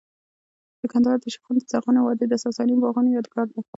د کندهار د شیخانو د زرغونې وادۍ د ساساني باغونو یادګار دی